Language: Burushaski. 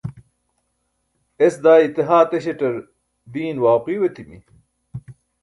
es daa ite haa teśaṭar diin wau qiyo etimi